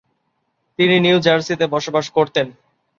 তিনি নিউ জার্সিতে বসবাস করতেন।